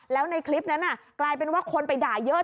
แล้วในคลิปนั้นกลายเป็นว่าคนไปด่าเยอะ